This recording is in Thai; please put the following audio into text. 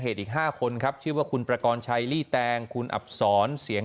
อีก๕คนครับชื่อว่าคุณประกอบชัยลี่แตงคุณอับสอนเสียง